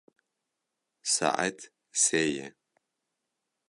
Saet sê ye.